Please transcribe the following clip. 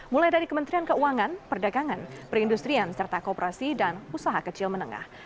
mulai dari kementerian keuangan perdagangan perindustrian serta kooperasi dan usaha kecil menengah